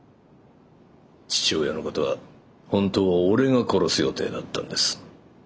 父親のことは本当は俺が殺す予定だったんです。